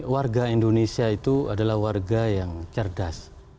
warga indonesia itu adalah warga yang cerdas